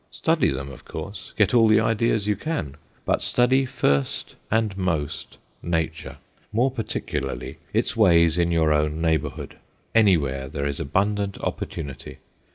Study them, of course; get all the ideas you can. But study first, and most, nature more particularly its ways in your own neighborhood. Anywhere there is abundant opportunity.